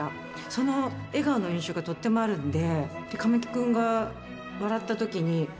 その笑顔の印象がとってもあるんで。